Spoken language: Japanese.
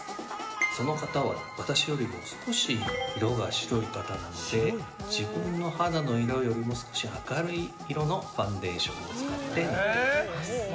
その方は私よりも少し色が白い方なので自分の肌の色よりも少し明るい色のファンデーションを使って塗っていきます。